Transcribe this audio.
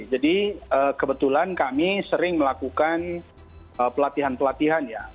jadi kebetulan kami sering melakukan pelatihan pelatihan